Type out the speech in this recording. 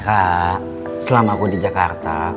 kak selama aku di jakarta